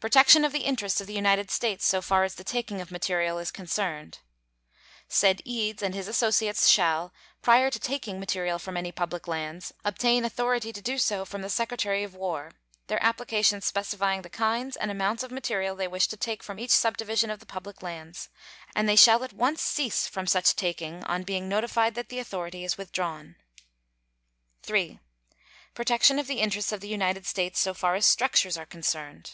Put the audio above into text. Protection of the interests of the United States so far as the taking of material is concerned. Said Eads and his associates shall, prior to taking material from any public lands, obtain authority to do so from the Secretary of War, their applications specifying the kinds and amounts of material they wish to take from each subdivision of the public lands; and they shall at once cease from such taking on being notified that the authority is withdrawn. 3. _Protection of the interests of the United States so far as structures are concerned.